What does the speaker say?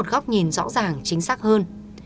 để có một góc nhìn rõ ràng chính xác hơn